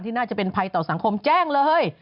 น่าจะเป็นภัยต่อสังคมแจ้งเลย